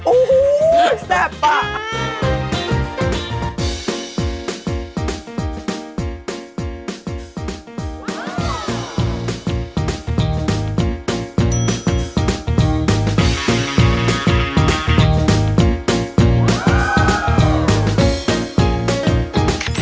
โอ้โฮแซ่บปาก